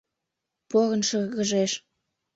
Порын шыргыжеш.